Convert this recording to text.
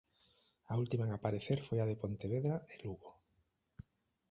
A última en aparecer foi a de Pontevedra e Lugo.